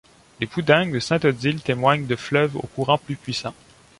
Les poudingues de Saint-Odile témoignent de fleuves au courant plus puissant.